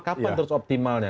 kapan terus optimalnya